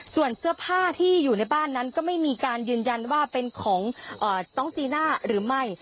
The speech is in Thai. ส่วนเสื้อผ้าที่อยู่ในบ้านนั้นก็ไม่มีการยืนยันว่าเป็นของน้องจีน่าหรือไม่